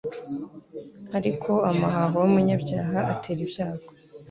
ariko amahaho y’umunyabyaha atera ibyago